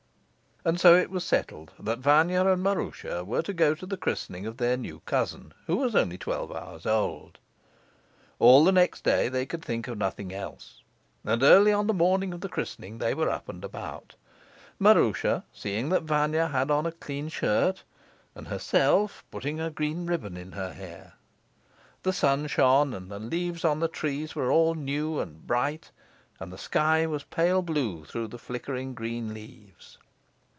And so it was settled that Vanya and Maroosia were to go to the christening of their new cousin, who was only twelve hours old. All the next day they could think of nothing else, and early on the morning of the christening they were up and about, Maroosia seeing that Vanya had on a clean shirt, and herself putting a green ribbon in her hair. The sun shone, and the leaves on the trees were all new and bright, and the sky was pale blue through the flickering green leaves.